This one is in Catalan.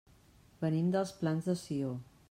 Venim dels Plans de Sió.